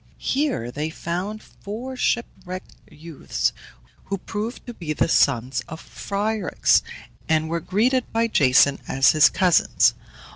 Here they found four shipwrecked youths, who proved to be the sons of Phryxus, and were greeted by Jason as his cousins.